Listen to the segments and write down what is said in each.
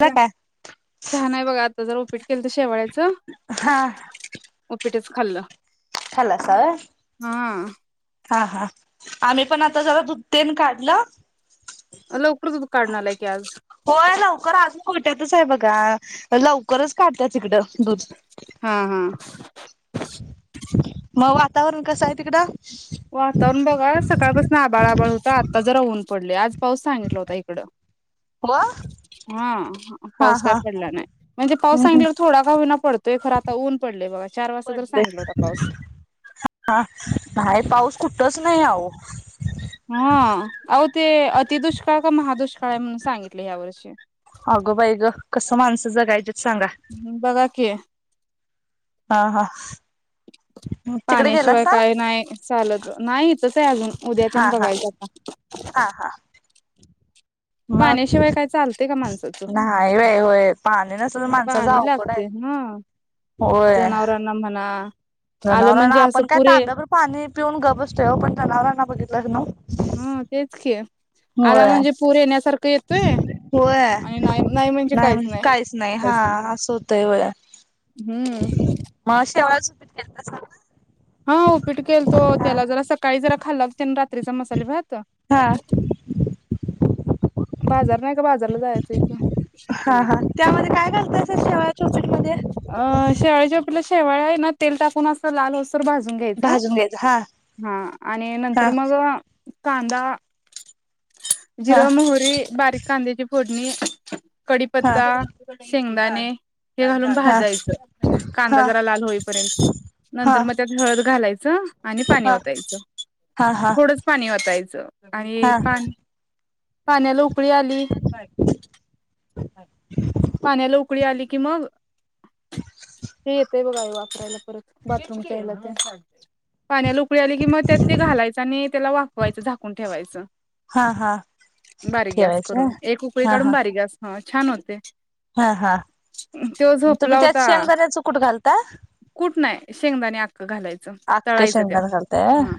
ला काय छान आहे. बघा आता जर उपीट केलंत शेवाळ्याच हा उपीटच खालं. खालासा होय. हा हा आम्ही पण आता जरा दुध तेन काढलं. लवकरच दूध काढूण आलाय की आज, खुमट्यातच आहे बघा लवकरच काढतात. हिकड दुध हा हा मग वातावरण कस आहे तिकडं, वातावरण बघा सकाळपासून आभाळ आभाळ होत. आता, आता जरा होऊन पडले आज पाऊस सांगितला होता इकड हो हा हा पाऊस काय हा पडला नाही म्हणजे पाऊस हम् हम् सांगला तर थोडा का विना पड ते खर आता ऊन पडले बघ पडले नाही पाऊस कुठंच नाही आह हा आ ते अति दुष्काळ का महादुष्काळ आहे म्हणून सांगितले ह्या वर्षी अगं बाई ग कसं माणसं जगायच ह् बघा की हा हा! तिकडे पाण्याशिवाय गेलासा काय नाही. चालत नाही तसं आहे अजून? उद्याच्यान हा हा बघायचा आता हा हा मग पाण्याशिवाय काय चालतंय का माणसाचं नाही व होय पाणी नसून माणसाचं पाणी अवघड हाय. लागते हा होय जनावरांना म्हणा आलं जनावरांना म्हणजे असं आपण काय पुरे तांब्यावर पाणी पिऊन ग बसतय वो पण जनावराला लखनऊ हम् तेच की आला होय, म्हणजे पूर येण्यासारखं येतोय होय आणि नाही नाही म्हणजे नाही काहीच नाही हा असं होतय होय हम्म मग शे हा, उपीट केलतो ना? त्याला जरा सकाळी जरा खाल्ला तेन रात्रीचा मसाले भात हा बाजार नाही का? बाजारला जायचं की हा होय, हा त्यामध्ये काय घालतायसा शेवाळाच्या उपीटमध्ये? अं.. शिळेच्या आपला शेवाळ्या ना तेल टाकून अस लाल हो भाजून घ्यायच, भाजून घ्यायचं हा हा आणि नंतर हा मग कांदा हा जिरं मोह बारीक कांद्याची फोडणी हा कडीपत्ता शेंगदाने हे घालून हा भाजायचं, कांदा हा हा जरा लाल होईपर्यंत. नंतर हा मग त्यात हळद घालायचं च आणि पाणी हा ओतायचं. हा थोडंच पाणी ओतायचं आणि हा पा पाण्याला उ उकळी आली पाण्याला उकळी आली कि मग ते येतय बघा वापरायला, परत बाथरूम च्या हेला तेन. पाण्याला पुळी आली कि मग त्यात ते घालायचं, आणि त्याला वापवायचं झाकून ठेवायचं. हा हा बारीक गॅस ठेवायचं करून. एक उकळी हा काढून हा बारीक गॅस छान होते. हा हा तो तुम्ही झोपला त्यात होता. शेंगदाण्याचं कूट घालता? कुठ नाही, शेंगदानी आक्क घालायचं, अख्ख तळायचं त्यात. शेंगदाण घालताय व्हय हा,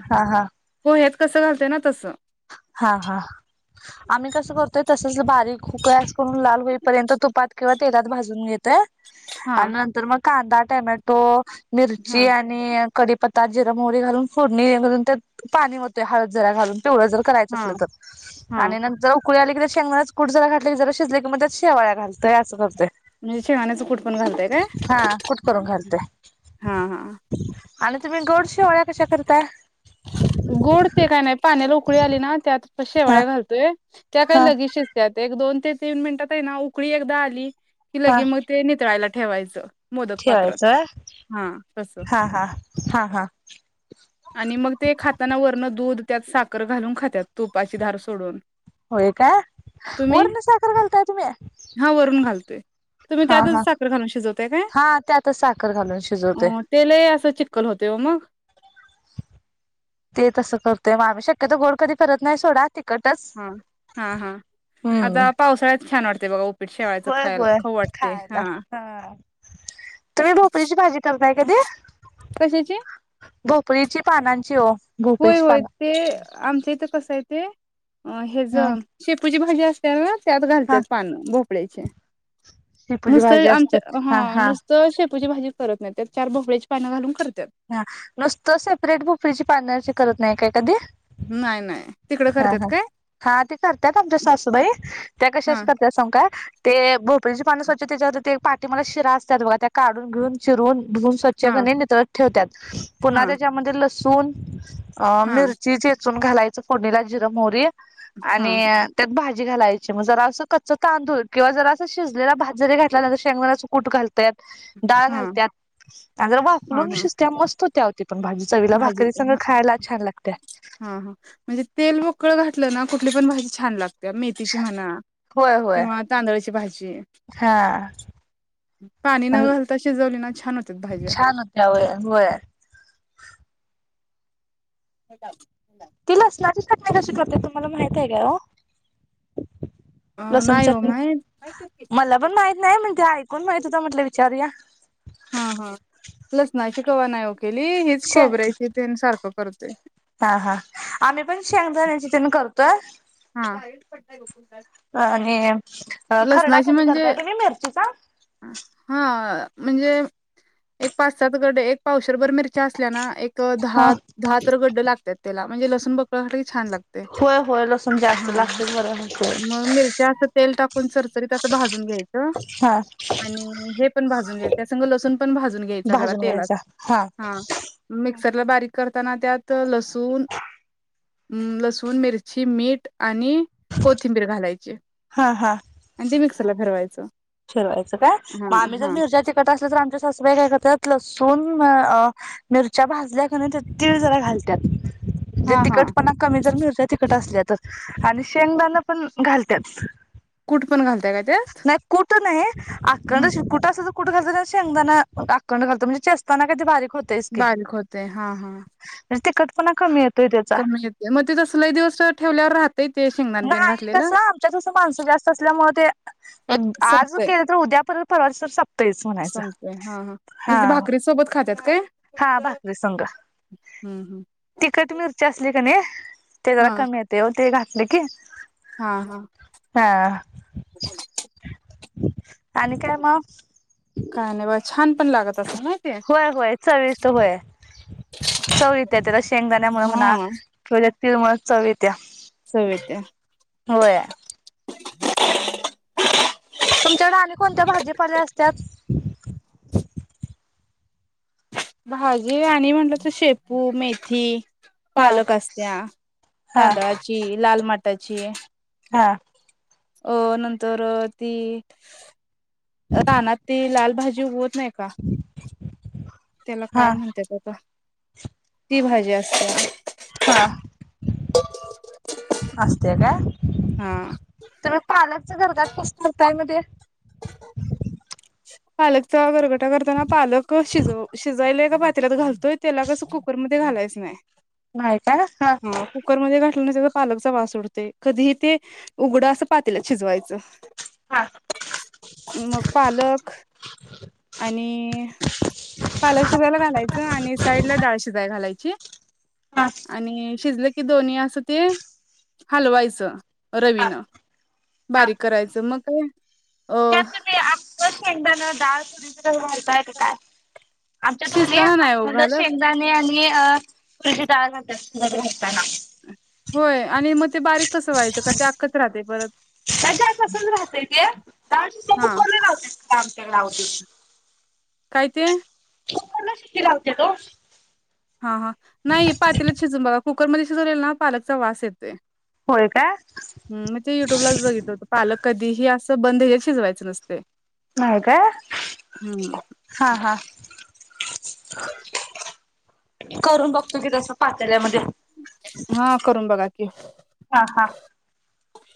पोहे कसं घालतेय ना तसं. हा, हा! आम्ही कस करतोय तसच ब खूस करून लाल होईपर्यंत तुपात किंवा तेलात भाजून घेतय. हा आणि नंतर मग कांदा टमॅटो हा मिरची आणि कडीपत् तात जिरा मोरी घालून फोडणी घून त्यात पाणी होतय. हळद जरा घालून पिवळ जर करायचा हा असेल तर, हा आणि नंतर उकळू आली की शेंगणाच कुठ जरा घातली क जरा शिज क मग त्या शवया घलतय असं करतय. म्हणजे शेगाण्या च कुट पण घालते काय हा कूट करून घालतोय हा हा आणि तम् गोड शिवळ्या कश्या करता. गोडते काय नाही पाण्याला उकळी आली ना त्यात क हा शेवाळ्या घालतोय त्या काय हा लगेशच त्या ते एक दोन ते तीन मिनिटात आहे ना उकळी एकदा आली. हा किग मग ते नित्रायला ठेवायचं. मोदक पात्रात ठेवायचं हा तसं हा हा हा हा आणि मग ते खाताना वरण दूध त्यात साखर घालून खातात तुपाचीधार सोडून होय का तुम्ही वर्ण साखर घालताय तुम्ही ते तुम्ही हा त्यातच हा साखर घालून शिजता काय हा त्यातच साखर घालून शिजवतोय ते अस. कल होते हो मग ते तसं करतोयग आम्ही शक्यतो गोड कधी परत नाही सोडा त हा हा हा हम्म आता पावसाळ्यात छान वाटत. होय होय खायला हा तर मी ढोपलीची भाजी करत. काय कधी. कशाची, भोपळीची पानांची ओ. होय होय ते, आमच्या इथे कसं हाय ते. अ हेज ह शेपूची भा भाजी असत्याल ना. त्यात हा घालत्यात पान भोप पडेचे. शेपूची नुसत भाजी आमच्या, असतात हा नुसतं शेपू ची भाजी करत नाही, त्यात चार भोपळ्याची पान घालून कर हा, नुसतं सेपरेट भोपरीची पानाची करत नाही, काय कधी. नाही नाही. तिकडं हा.. करतात हा.. काय हा ते करत्यात आमच्या सासूबाई त्या हा कशाची करत्यात सांगू काय? ते भोपळीची पान स्वच्छ त्याच्यावर ते पाटीमाग त्या शिरा असतात बघा, त्या काढून धून चिरून. धुन स्वच्छ हा. कणी नितळत ठेवत्यात, हा पुन्हा त्याच्यामध्ये ल सून. अ हा मिरची चेचून घालाय फोडणीला जिरं मोहरी. हा हा आणि त्यात भाज जी घालायची मग, जरास कच्च तांदुल किंवा जरा अस शिजलेला भात जरी घातलांत तरी शेंगदाण्याच कूट घालत्यात. डाळ हा घालत्यात, आणि जरा वाफलून हा शिजत्या मस्त होत्या ओ ती. पण भाजी चवीला भाजी भाकरी, संग हा खायला छान लागत्या. हा हा. म्हणजे तेल मोकळ घातलं ना, कुठली पण भाजी छान लागते. मेथीची म्हणा, होय होय. किंवा तांदळाची भाजी हा पाणी न आणि घालता शिजवली ना छान होत्यात भाज्या. छान होत्या वय होय [unintelligible] ती लसणारची चटणी कशी करत्यात, तुम्हाला माहित आहे का ओ. अ लसूण नाही हो चटणी, माहीत मला पण माहित नाही पण ते ऐकून माहित होत म्हटलं विचारूया. हा हा लसणाची कवा नाही ओ. शेंग, करतोय हा हा आम्ही पण शेंगदाण्याची तेण करतो. [unintelligible] हा. आणि खरडा लसणाची कधी म्हणजे करताय, तुम्ही मिरचीचा हा म्हणजे एक पाच सात गडे एक पावशे त्रभर मिरच्या असल्या ना एक ह दहा दहा तर गड्ड लागतात त्याला. म्हणजे लसुण बकळ घातल की छान लागते होय होय लसुन हा, म मिरच्या असं तेल टाकु आपण चरचरीत अस भाजून घ्यायच हा आणि हे पण भाजून घ्यायच त्या संग लसूण पण भाजून घ्यायच जरा भाजून तेलात घ्यायचा हा मिक्सरला बारीक करताना त्यात लसुण, लसूण, मिरची, मीठ. आणि कोथिंबीर घालायची. हा हा आणि ते मिक्सरला फरवायचं. च. फिरवायचं काय म आम्ही जर मिरच्या तिकट असल तर आमच्या सासूबाई काय करतात. लसूून मिरच्या भाजल्या का नाही त्यात तीळ जरा घालतात. जे हा हा तिकखटपणा कमी जर मिरच्या तिकट असल्यात. आणि शेंगदाणा पण घालत्यात. कुठ पण घालताय का त्यात. त नाही. आकंद हम् अस कुठ अस कुठ घालतात शेंगदाणा अखंड घालतो म्हणजे चेस्ताना काय ते भारीक होतच की, बारीक होते हा हा तिखट पना कमी येतोय त्याचा, कमी येते मग ते तसं लय दिवस ठेवल्यावर राहतय ते शेंगदाण तेन नाही कस घातलेलं आमच्या कस माणसं जास्त असल्यामुळ ते आज संपतय केलं तर उद्या परत परवा दिवस सप तेच म्हणायचं, संपतय हा हा म्हणजे ते भाकरी सोबत खात्यात काय हा भाकरी संग हम्म हम्म तिखट मिरची असली का नाय ते जरा हा कमी येते वो ते घा लेकी हा हा. आणि काय म. काय नाही बा छान. लागात. होय होय चविष्ट होय, चव येते त्याला शेंगदाण्यामुळे म्हणा हा किंवा त्यात तिळमुळ चव ये इत्या, चव येत्या व्हय. [inaudible] तुमच्याकडे अने कोणत्या भाजीपाल्या असतात भाजी आणि म्हटलं तर शेपू मेथी हा पालक असत्या हा तांदळाची लाल माट त्याची हा अ नंतर ती रानातील लाल भाजी [unintelligible] नाही का त्याला काय हा म्हणत्यात [unintelligible] [inaudible] ती भाजी असत्या [inaudible] असत्या काय हा तुला पालक - च गरगाट कस करताय मग ते पालक च गरगट करताना पालक शिजव शिजायला की [unintelligible] त तेला कसं कुकरम ते घालायच नाय बायका [unintelligible] घातलं पालकचा वास उडतय कधीही ते उघडं असं पातीलात शिजवायचं हा मग पालक आणि पालक शिजायला घालायचं आणि साईड ला डाळ शिजायला घालायची हा आणि शिजल की दोन्ही असं ते हलवायचं हा रवीन हा बारीक करायचं मग काय अ शेगदान डाळ तरीच घालता की काय आमच्यात दोन्ही शिजताना नाही ओ आखंड घालत शेंगदाणे आणि नि अ हे डाळ घालत्यात शिजत घालताना होय आणि मग ते बारीक कसं व्हायचं का ते आख च राहतय परत [unintelligible] तसंच राहतय ते डाळ हा कुकर ला लावत्यात [unintelligible] काय ते कुकरला शिटी लावत्यात ओ हा हा नाही पातेल्यात शिजून बघा कुकरमध्ये शिजरलेल ना पालकचा वास येतोय, [unintelligible] होय काय हम् मग ते युट्यूबलाच बघितलं होत पालक कधीही अस [unintelligible] बंद हित शिजवायच नसत [unintelligible] नाय का हम्म हा हा [unintelligible] करून बघतो की जस पातेल्या मध्ये [unintelligible] हा करून बघा [unintelligible] हा हा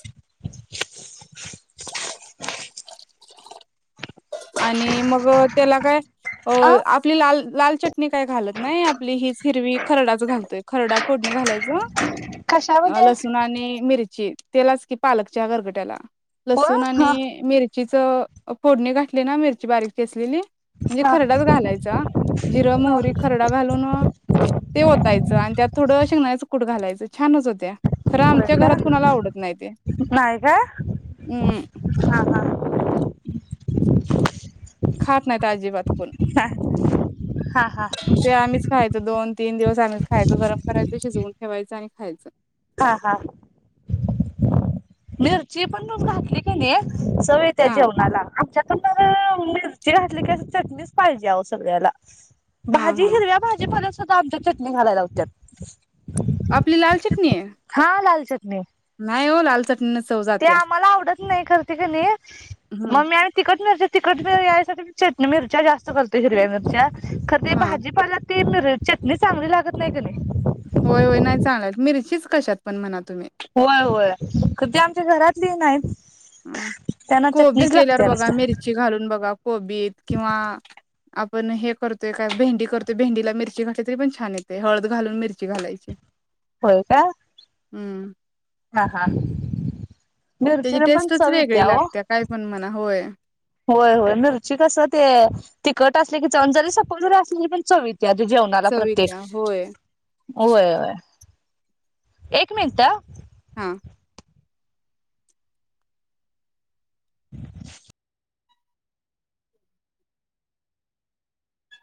[unintelligible] छः. ह आणि मग त्याला काय अ आपली लाल लाल चटणी काय घालत नाही आपली हीच हिरवी खरडाच घालतोय खरडा फोडणी घालायचं, अ.. कशामध्ये लसुण आणि मिरची त्यालाच की पालकच्या घरगट्याला व लसूण हा आणि मिरची फ.. फोरणी घा ति ना मिरची बारीक चेचलेली म्हणजे हा खरडाच घालायचा, जिर, मोहरी, खरडा घालून त्यात जरा शेंगदान्याच कुट घालायचं छानच होत्या. खरं होय आमच्या का घरात कुणाला आवडत नाही ते नाही का हम् हा हा खात नाहीत अजिबात, ह हा हा होय दोन तीन दिवस आम्हीच खायचं गरम करायंच शिजवून ठेवायं, सारे खायचं. हा हा मिरची पण नुसता घातली की नाही. सगळी त्या हा जेवणाला आमच्या तरी पण मिरची घातली की चटणीच पाहिजे आहो सगळ्याला हा भाजी हा हिरव्या भाजी परास आमच्यात चटणी घालायला लावत्यात. आपली लाल चटणी आहे? हा लाल चटणी आहे. नाही हो लाल चट नीन चव जात्या. आवडत नाही करते कणी हम्म मम्मी आणि तिकट न तिकट पणा यायसाठीच चटणी मिरच्या जास्त करतोय हिरव्या मिरच्या खरं ते हा भाजीपाला ते अ.. चटणी चांगली लागत नाही कनी होय होय नाही चांगला लागत मिरचीच कशात पण म्हणा तुम्ही होय होय खर ते आमच्या घरातले नाहीच अ कोबी केल्यावर बघा नुसता मिरची घालून बघा कोबीत किंवा आपण हे करतोय काय भेंडी करतोय भेंडीला मिरची घाातली तरी पण छान येते हळद घालून मिरची घालायची होय का हम्म हा हा त्याची मिरचीने पण टेस्टच चव वेगळी येत्या ओ लागते काय पण म्हणा होय होय होय मिरची कसं ते तिखट असले की चन जरी सपक जरी असली पण चव त्यात जेवणाला चव प्रत्येक येत्या होय होयय एक मिनिट हा [inaudible]